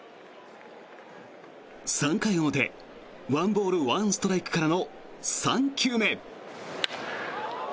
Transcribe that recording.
３回表１ボール１ストライクからの３球目。